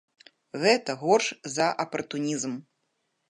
Гэта горш за апартунізм!